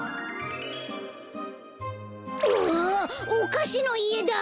うわおかしのいえだ！